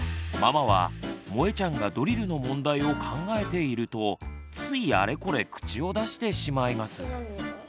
ママはもえちゃんがドリルの問題を考えているとついあれこれ口をだしてしまいます。